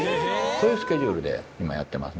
そういうスケジュールで今やってますね。